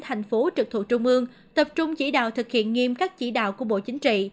thành phố trực thuộc trung ương tập trung chỉ đạo thực hiện nghiêm các chỉ đạo của bộ chính trị